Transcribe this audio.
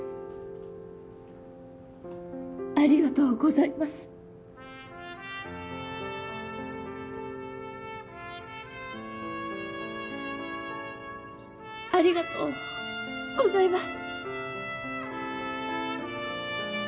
ありがとうございますありがとうございます